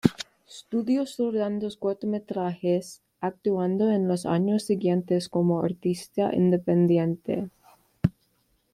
Studios rodando cortometrajes, actuando en los años siguientes como artista independiente.